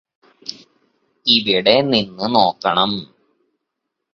ഇവിടെ നിന്ന് നോക്കണം